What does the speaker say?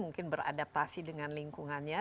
mungkin beradaptasi dengan lingkungannya